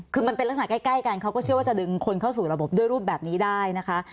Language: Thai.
คือมันเป็นลักษณะใกล้กันเขาก็เชื่อว่าจะดึงคนเข้าสู่ระบบด้วยรูปแบบนี้ได้นะคะ